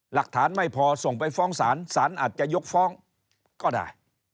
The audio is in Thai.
หลักฐานไม่พอส่งไปฟ้องศาลศาลอาจจะยกฟ้องก็ได้